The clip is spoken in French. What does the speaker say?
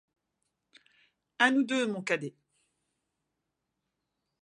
A nous deux, mon cadet !